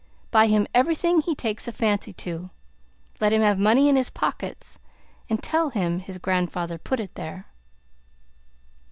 Buy him everything he takes a fancy to; let him have money in his pockets, and tell him his grandfather put it there."